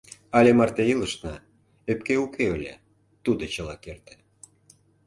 Але марте илышна, ӧпке уке ыле, тудо чыла керте!